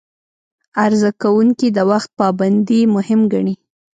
عرضه کوونکي د وخت پابندي مهم ګڼي.